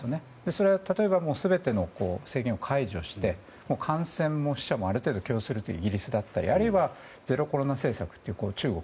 それは例えば全ての制限を解除して感染も死者もある程度許容するというイギリスだったりあるいはゼロコロナ政策という中国。